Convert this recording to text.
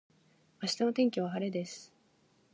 明日の天気は晴れです